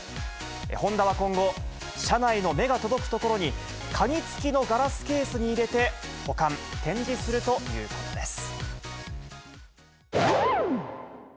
ホンダは今後、社内の目が届く所に、鍵付きのガラスケースに入れて保管・展示するということです。